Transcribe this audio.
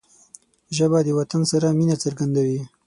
ژبه د وطن سره مینه څرګندوي